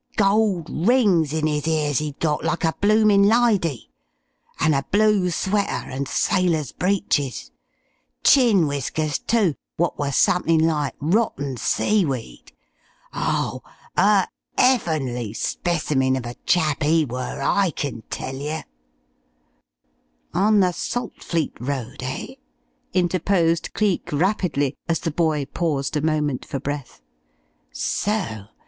Gold rings in 'is ears 'e'd got like a bloomin' lydy, an' a blue sweater, and sailor's breeches. Chin whiskers, too, wot were somethin like rotten seaweed. Oh, a 'eavenly specimen of a chap 'e were, I kin tell you!" "On the Saltfleet Road, eh?" interposed Cleek, rapidly, as the boy paused a moment for breath. "So?